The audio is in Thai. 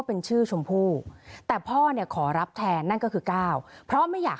เป็นชื่อชมพู่แต่พ่อเนี่ยขอรับแทนนั่นก็คือ๙เพราะไม่อยาก